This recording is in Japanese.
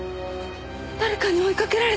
誰かに追いかけられて。